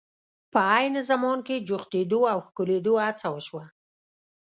په عین زمان کې جوختېدو او ښکلېدو هڅه وشوه.